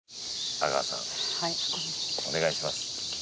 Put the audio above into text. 阿川さんお願いします。